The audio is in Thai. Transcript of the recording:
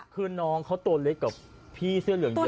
คือน้องเขาตัวเล็กกับพี่เสื้อเหลืองเยอะ